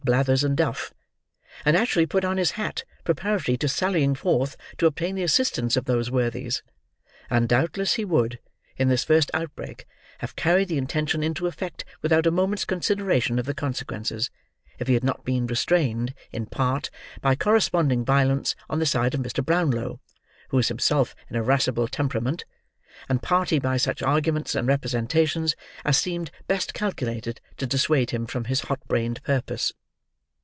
Blathers and Duff; and actually put on his hat preparatory to sallying forth to obtain the assistance of those worthies. And, doubtless, he would, in this first outbreak, have carried the intention into effect without a moment's consideration of the consequences, if he had not been restrained, in part, by corresponding violence on the side of Mr. Brownlow, who was himself of an irascible temperament, and party by such arguments and representations as seemed best calculated to dissuade him from his hotbrained purpose.